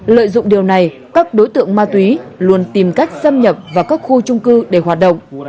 lợi dụng điều này các đối tượng ma túy luôn tìm cách xâm nhập vào các khu trung cư để hoạt động